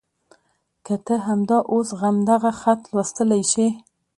که ته همدا اوس همدغه خط لوستلی شې.